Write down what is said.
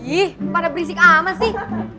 ih pada berisik amat sih